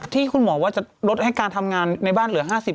ที่คุณหมอว่าจะลดให้การทำงานในบ้านเหลือ๕๐